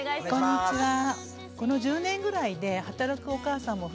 こんにちは。